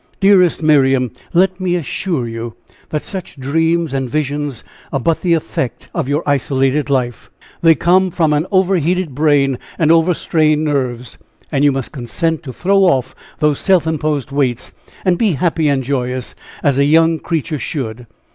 "Dearest Miriam, let me assure you, that such dreams and visions are but the effect of your isolated life they come from an over heated brain and over strained nerves. And you must consent to throw off those self imposed weights, and be happy and joyous as a young creature should."